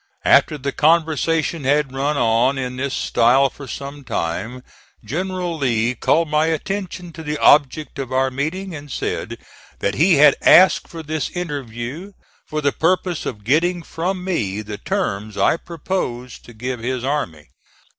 After the conversation had run on in this style for some time, General Lee called my attention to the object of our meeting, and said that he had asked for this interview for the purpose of getting from me the terms I proposed to give his army.